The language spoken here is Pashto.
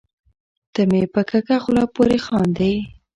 ته مې په کږه خوله پورې خاندې .